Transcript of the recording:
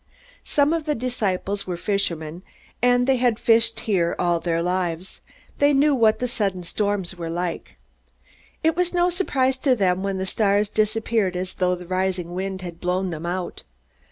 Some of the disciples were fishermen, and they had fished here all their lives. They knew what the sudden storms were like. It was no surprise to them when the stars disappeared as though the rising wind had blown them out.